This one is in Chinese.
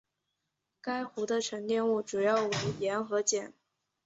该湖的沉积物主要为盐和碱。